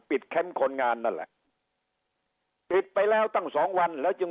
แคมป์คนงานนั่นแหละปิดไปแล้วตั้งสองวันแล้วจึง